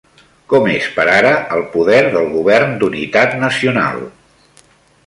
Com és per ara el poder del govern d'unitat nacional?